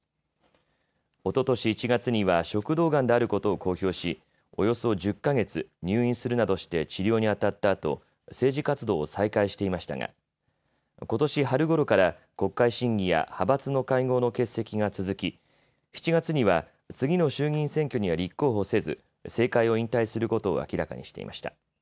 おととし１月には食道がんであることを公表しおよそ１０か月、入院するなどして治療にあたったあと政治活動を再開していましたがことし春ごろから国会審議や派閥の会合の欠席が続き７月には次の衆議院選挙には立候補せず政界を引退することを明らかにしていました。